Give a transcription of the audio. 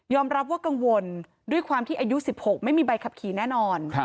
รับว่ากังวลด้วยความที่อายุ๑๖ไม่มีใบขับขี่แน่นอน